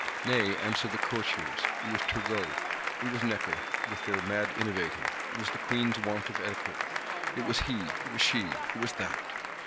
Nay, answer the Courtiers, it was Turgot, it was Necker, with their mad innovating; it was the Queen's want of etiquette; it was he, it was she, it was that.